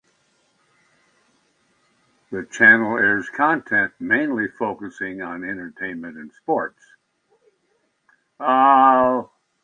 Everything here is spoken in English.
The channel airs content mainly focusing on entertainment and sports.